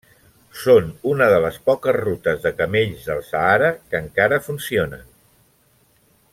Són unes de les poques rutes de camells del Sàhara que encara funcionen.